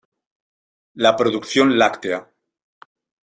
La producción láctea.